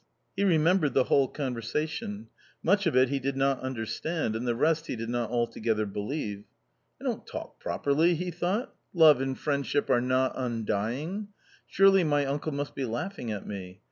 He remembered the whole conversation ; much of it he did not understand, and the rest he did not altogether believe. " I don't talk properly !" he thought :" love and friend ship are not undying ! surely my uncle must be laughing at me?